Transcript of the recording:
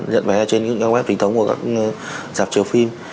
nhận vé trên những trang web chính thống của các giảm chiếu phim